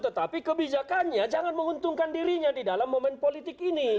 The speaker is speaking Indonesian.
tetapi kebijakannya jangan menguntungkan dirinya di dalam momen politik ini